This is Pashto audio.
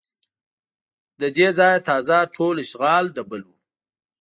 له دې ځایه تازه ټول اشغال د بل و